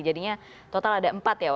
jadinya total ada empat ya